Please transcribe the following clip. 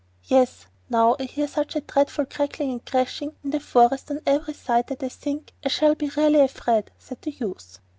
'Yes; now I hear such a dreadful crackling and crashing in the forest on every side that I think I shall be really afraid,' said the youth.